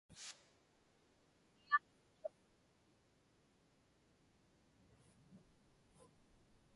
Qiviaŋitchuq.